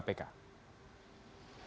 dpr ri dari sembilan orang tersebut ada